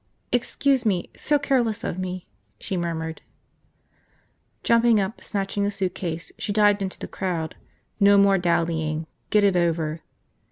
"Excuse me – so careless of me!" she murmured. Jumping up, snatching the suitcase, she dived into the crowd. No more dallying. Get it over.